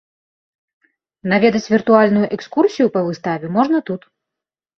Наведаць віртуальную экскурсію па выставе можна тут.